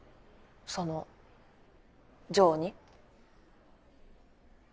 その嬢に。